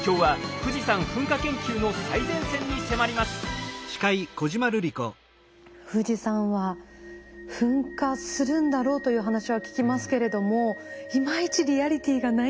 富士山は噴火するんだろうという話は聞きますけれどもいまいちリアリティーがないんですよね